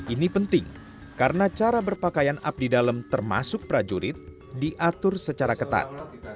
ini penting karena cara berpakaian abdi dalam termasuk prajurit diatur secara ketat